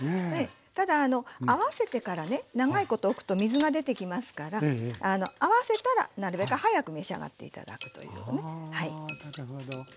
ただ合わせてからね長いことおくと水が出てきますから合わせたらなるべく早く召し上がって頂くというのがねはい。